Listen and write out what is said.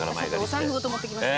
お財布ごと持ってきました。